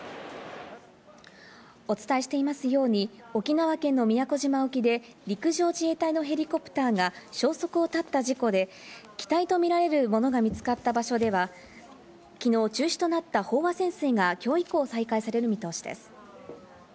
お伝えしていますように沖縄県の宮古島沖で陸上自衛隊のヘリコプターが消息を絶った事故で、機体とみられるものが見つかった場所では昨日中止となった飽和潜水が今日以降、再開される見通しです。